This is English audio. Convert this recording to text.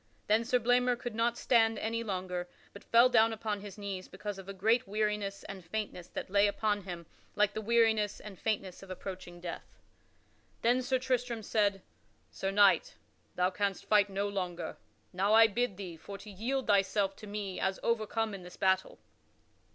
Then Sir Blamor could not stand any longer, but fell down upon his knees because of a great weariness and faintness that lay upon him like the weariness and faintness of approaching death. Then Sir Tristram said: "Sir Knight, thou canst fight no longer. Now I bid thee for to yield thyself to me as overcome in this battle."